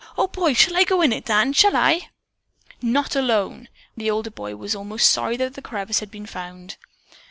Oh, boy! Shall I go in it, Dan; shall I?" "Not alone!" The older boy was almost sorry that the crevice had been found.